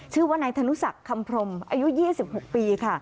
ชื่อว่านายธนุสักคำพรมอายุ๒๖ปีค่ะ